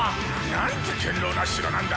「なんて堅牢な城なんだ！」。